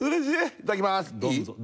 いただきますいい？